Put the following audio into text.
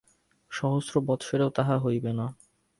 সহস্র বৎসরেও তাহা হইবে না।